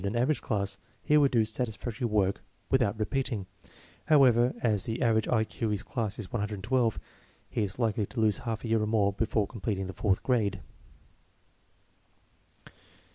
an average class would do satis factory work without repeating. However, as the average I Q of his class is 112, he is likely to lose a half year or more before completing the fourth grade.